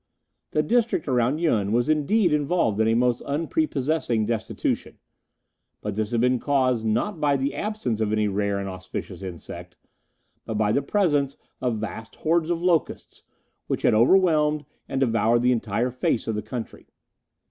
The district around Yun was indeed involved in a most unprepossessing destitution, but this had been caused, not by the absence of any rare and auspicious insect, but by the presence of vast hordes of locusts, which had overwhelmed and devoured the entire face the country.